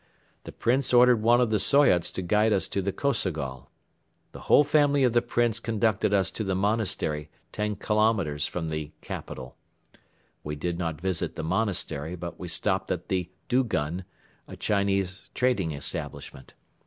The Prince ordered one of the Soyots to guide us to the Kosogol. The whole family of the Prince conducted us to the monastery ten kilometres from the "capital." We did not visit the monastery but we stopped at the "Dugun," a Chinese trading establishment.